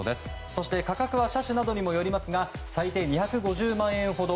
そして価格は車種などにもよりますが最低２５０万円ほど。